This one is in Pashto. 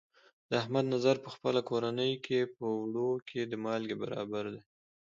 د احمد نظر په خپله کورنۍ کې، په اوړو کې د مالګې برابر دی.